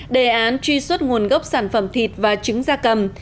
đề án truy xuất nguồn gốc sản phẩm thịt và trứng da cầm